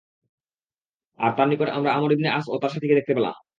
আর তার নিকট আমরা আমর ইবনে আস ও তার সাথীকে দেখতে পেলাম।